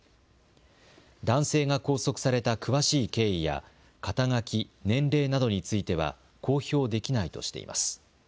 男性が拘束された詳しい経緯や、肩書、年齢などについては公表できないとしています。